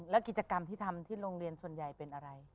แล้วกิจกรรมที่ทำที่โรงเรียนส่วนใหญ่เป็นอะไร